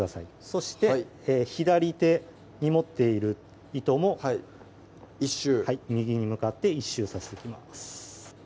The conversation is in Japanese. そして左手に持っている糸もはい１周右に向かって１周させていきます